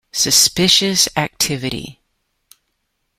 "Suspicious Activity?